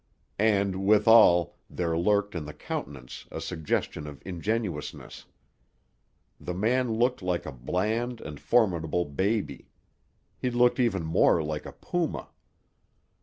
And, withal, there lurked in the countenance a suggestion of ingenuousness. The man looked like a bland and formidable baby. He looked even more like a puma.